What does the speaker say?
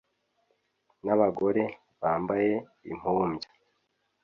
N'abagore bambaye impumbya